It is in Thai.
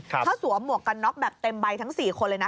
เขาสวมหมวกกันน็อกแบบเต็มใบทั้ง๔คนเลยนะ